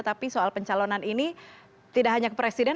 tapi soal pencalonan ini tidak hanya ke presiden